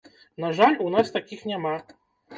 На жаль, у нас такіх няма.